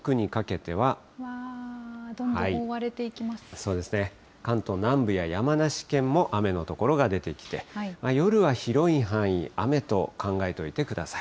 そうですね、関東南部や山梨県も雨の所が出てきて、夜は広い範囲、雨と考えておいてください。